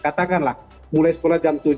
katakanlah mulai sekolah jam tujuh